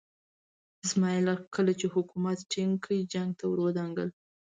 اسماعیل کله چې حکومت ټینګ کړ جنګ ته ور ودانګل.